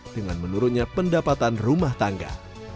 dengan menurunnya pendapatan rumah tangga